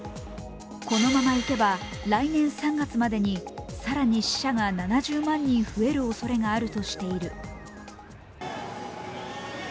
このままいけば、来年３月までに更に死者が７０万人増えるおそれがあるとしている。